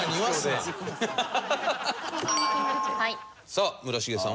さあ村重さん